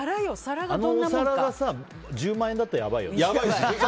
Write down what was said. あのお皿が１０万円だったらやばいよね。